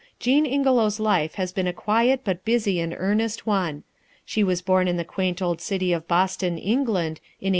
Jean Ingelow's life has been a quiet but busy and earnest one. She was born in the quaint old city of Boston, England, in 1830.